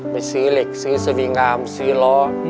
ไปซื้อเหล็กซื้อสวีงามซื้อล้อ